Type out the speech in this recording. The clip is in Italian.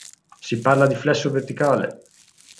Si parla di flesso verticale.